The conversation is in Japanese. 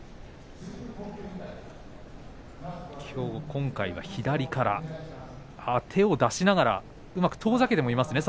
今回は左から手を出しながらうまく遠ざけてもいますね